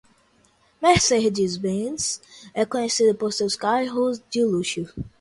Mercedes-Benz é conhecida por seus carros de luxo.